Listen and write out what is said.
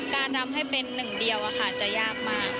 การทำให้เป็นหนึ่งเดียวจะยากมาก